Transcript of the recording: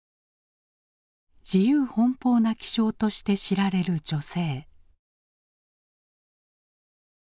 自由奔放な気性として知られる女性。